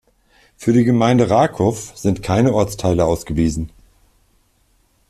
Für die Gemeinde Rakov sind keine Ortsteile ausgewiesen.